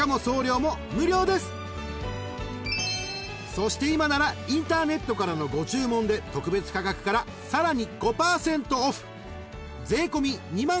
［そして今ならインターネットからのご注文で特別価格からさらに５％オフ］